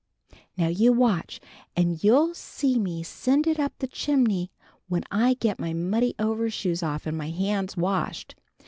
"Now you watch, and you'll see me send it up the chimney when I get my muddy overshoes off and my hands washed.